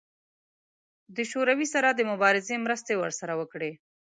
د شوروي سره د مبارزې مرستې ورسره وکړي.